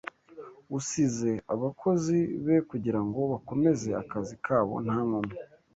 usize abakozi be kugirango bakomeze akazi kabo nta nkomyi